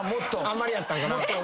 あんまりやったんかな？